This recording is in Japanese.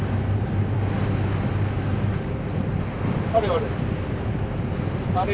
あれあれ。